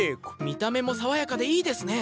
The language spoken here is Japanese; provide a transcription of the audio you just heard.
見た目も爽やかでいいですね！